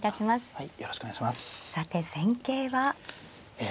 はい。